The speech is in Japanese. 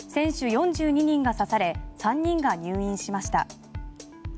４２人が刺され３人が入院しました。